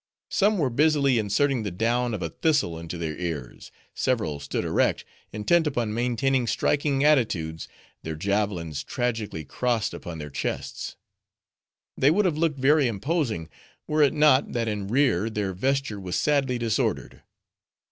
Some were busily inserting the down of a thistle into their ears. Several stood erect, intent upon maintaining striking attitudes; their javelins tragically crossed upon their chests. They would have looked very imposing, were it not, that in rear their vesture was sadly disordered.